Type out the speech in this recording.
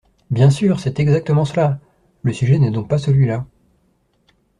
Bien sûr ! C’est exactement cela ! Le sujet n’est donc pas celui-là.